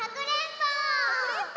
かくれんぼ！